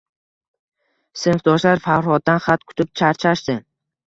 Sinfdoshlar Farhoddan xat kutib charchashdi